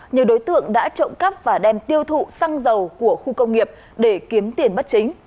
nhiều đối tượng đã trộm cắp và đem tiêu thụ xăng dầu của khu công nghiệp để kiếm tiền bất chính